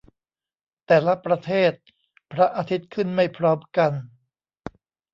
แต่ละประเทศ พระอาทิตย์ขึ้นไม่พร้อมกัน